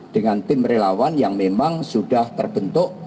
dengan tim relawan yang memang sudah terbentuk